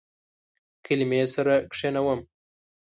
کلمې سره کښینوم